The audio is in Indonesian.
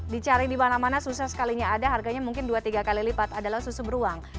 dicari di mana mana susah sekalinya ada harganya mungkin dua tiga kali lipat adalah susu beruang